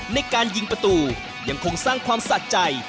ในการยิงประตูยังคงสร้างความสะใจ